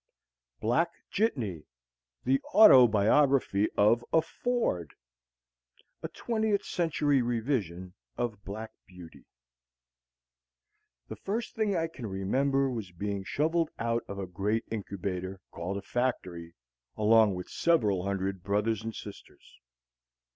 BLACK JITNEY THE AUTO BIOGRAPHY OF A FORD (A twentieth century revision of "Black Beauty") The first thing I can remember was being shoveled out of a great incubator, called a factory, along with several hundred brothers and sisters.